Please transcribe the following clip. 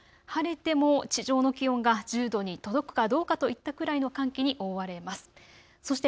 晴れても地上の気温が１０度に届くかどうかといったくらいの寒気に覆われます。